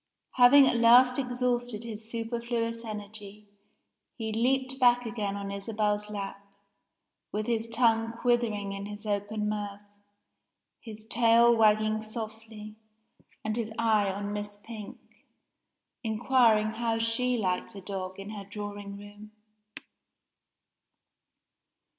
Having at last exhausted his superfluous energy, he leaped back again on Isabel's lap, with his tongue quivering in his open mouth his tail wagging softly, and his eye on Miss Pink, inquiring how she liked a dog in her drawing room!